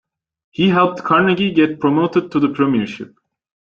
He helped Carnegie get promoted to the Premiership.